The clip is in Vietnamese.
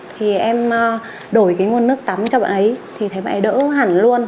thì em đổi cái nguồn nước tắm cho bạn ấy thì thấy bạn ấy đỡ hẳn luôn